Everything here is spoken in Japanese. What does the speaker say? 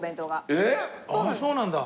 あっそうなんだ。